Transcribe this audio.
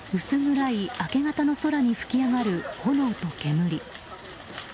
薄暗い明け方の空に噴き上がる炎と煙。